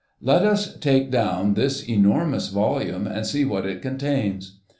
Let us take down this enormous volume, and see what it contains.